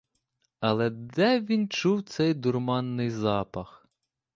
Але де він чув цей дурманний запах?